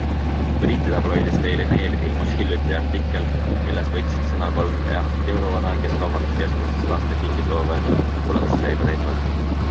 Briti tabloidis Daily Mail ilmus hiljuti artikkel, milles võtsid sõna kolm eakat jõuluvana, kes kaubanduskeskustes laste kingisoove kuulates leiba teenivad.